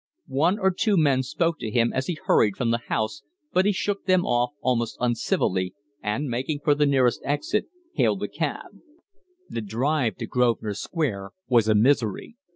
One or two men spoke to him as he hurried from the House, but he shook them off almost uncivilly, and, making for the nearest exit, hailed a cab. The drive to Grosvenor Square was a misery.